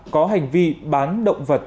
có hành vi bán động vật